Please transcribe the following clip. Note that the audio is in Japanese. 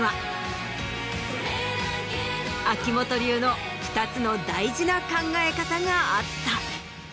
秋元流の２つの大事な考え方があった。